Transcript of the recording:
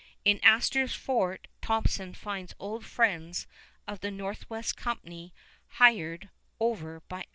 In Astor's fort Thompson finds old friends of the Northwest Company hired over by Astor.